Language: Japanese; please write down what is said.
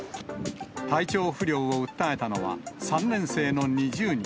体調不良を訴えたのは、３年生の２０人。